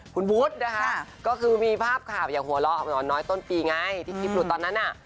คุณวุฒินะคะก็คือมีภาพข่าวอย่างหัวเราะน้อยต้นปีไงที่คลิปหลุดตอนนั้นน่ะ